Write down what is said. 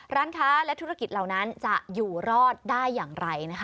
ร้านค้าและธุรกิจเหล่านั้นจะอยู่รอดได้อย่างไรนะคะ